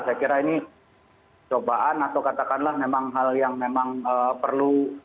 saya kira ini cobaan atau katakanlah memang hal yang memang perlu